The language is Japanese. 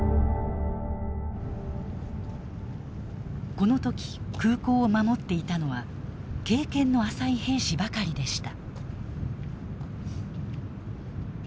この時空港を守っていたのは経験の浅い兵士ばかりでした。